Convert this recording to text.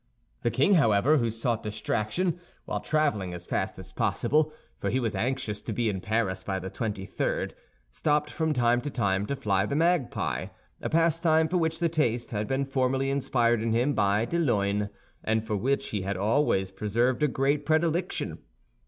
The king, however, who sought distraction, while traveling as fast as possible—for he was anxious to be in Paris by the twenty third—stopped from time to time to fly the magpie, a pastime for which the taste had been formerly inspired in him by de Luynes, and for which he had always preserved a great predilection.